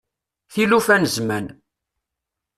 Tilufa n zzman.